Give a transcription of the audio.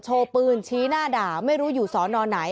โชว์ปืนชี้หน้าด่าไม่รู้อยู่สอนอไหน